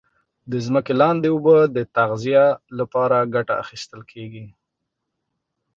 د ځمکې لاندي اوبو د تغذیه لپاره کټه اخیستل کیږي.